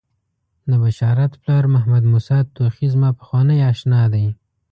د بشارت پلار محمدموسی توخی زما پخوانی آشنا دی.